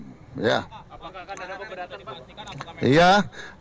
apakah akan ada beberapa berat yang diperhatikan apakah menjadikan